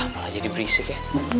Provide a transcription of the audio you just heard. malah jadi berisik ya